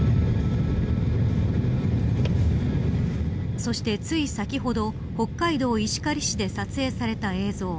そして、つい先ほど北海道石狩市で撮影された映像。